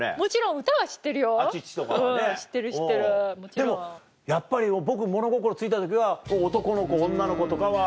でもやっぱり僕物心ついた時は『男の子女の子』とかは。